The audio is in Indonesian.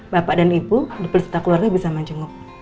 bapak dan ibu di persintah keluarga bisa mencenguk